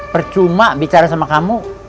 percuma bicara sama kamu